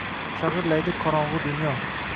Shag’irlaydi qorong’i dunyo